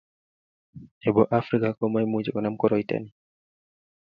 Nebo afrika komoimuchi konam koroitani